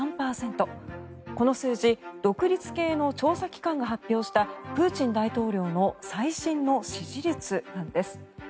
この数字独立系の調査機関が発表したプーチン大統領の最新の支持率なんです。